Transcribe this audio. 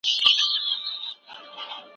سپی را ولېږه چي دلته ما پیدا کړي